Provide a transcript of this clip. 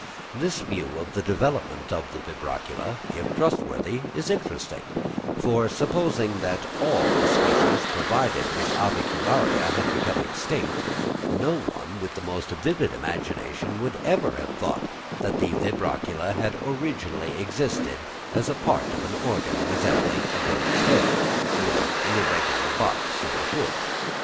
This view of the development of the vibracula, if trustworthy, is interesting; for supposing that all the species provided with avicularia had become extinct, no one with the most vivid imagination would ever have thought that the vibracula had originally existed as part of an organ, resembling a bird's head, or an irregular box or hood.